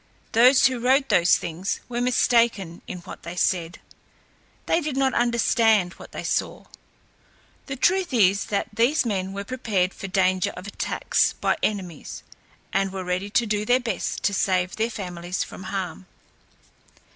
Those who wrote those things were mistaken in what they said. They did not understand what they saw. The truth is that these men were prepared for danger of attacks by enemies, and were ready to do their best to save their families from harm.